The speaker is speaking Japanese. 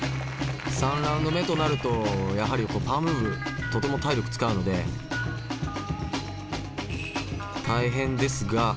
３ラウンド目となるとやはりパワームーブとても体力使うので大変ですが。